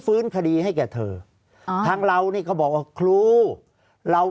ภารกิจสรรค์ภารกิจสรรค์